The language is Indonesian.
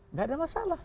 nggak ada masalah